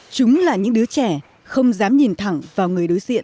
chúng là những đứa trẻ không dám nhìn thẳng vào người đối diện